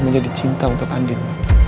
menjadi cinta untuk andin